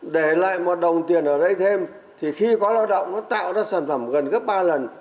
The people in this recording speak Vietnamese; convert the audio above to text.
để lại một đồng tiền ở đây thêm thì khi có lao động nó tạo ra sản phẩm gần gấp ba lần